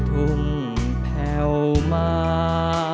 พุ่งแผ่วมา